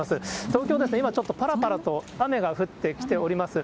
東京、今ちょっと、ぱらぱらと雨が降ってきております。